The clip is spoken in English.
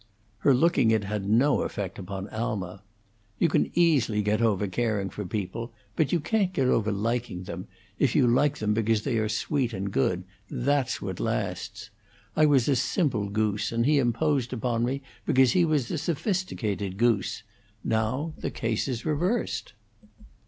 Her looking it had no effect upon Alma. "You can easily get over caring for people; but you can't get over liking them if you like them because they are sweet and good. That's what lasts. I was a simple goose, and he imposed upon me because he was a sophisticated goose. Now the case is reversed."